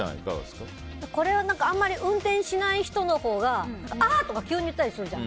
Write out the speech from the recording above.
これは運転しない人のほうがああ！とか急に言ったりするじゃん。